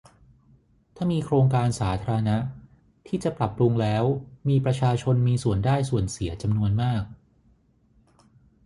ถ้ามีโครงการสาธารณะที่จะปรับปรุงแล้วมีประชาชนมีส่วนได้ส่วนเสียจำนวนมาก